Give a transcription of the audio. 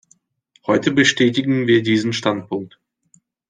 Heute bestätigen wir diesen Standpunkt.